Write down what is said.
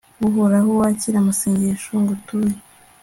uhoraho, wakire amasengesho ngutuye